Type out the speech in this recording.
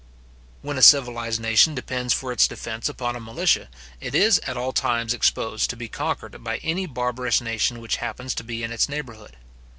When a civilized nation depends for its defence upon a militia, it is at all times exposed to be conquered by any barbarous nation which happens to be in its neighbourhood.